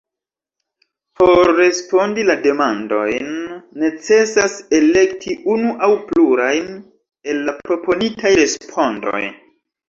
Por respondi la demandojn necesas elekti unu aŭ plurajn el la proponitaj respondoj.